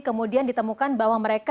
kemudian ditemukan bahwa mereka